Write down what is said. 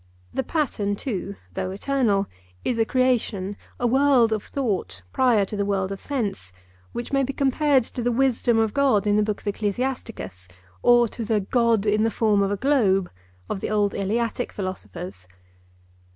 The pattern too, though eternal, is a creation, a world of thought prior to the world of sense, which may be compared to the wisdom of God in the book of Ecclesiasticus, or to the 'God in the form of a globe' of the old Eleatic philosophers.